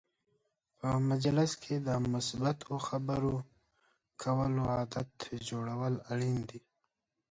په مجلس کې د مثبت خبرو کولو عادت جوړول اړین دي.